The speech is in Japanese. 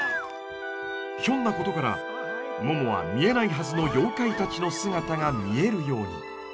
ひょんなことからももは見えないはずの妖怪たちの姿が見えるように。